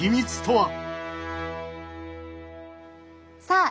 さあ